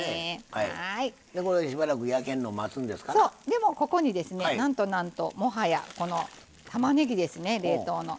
でもここにですねなんとなんともはやこのたまねぎですね冷凍の。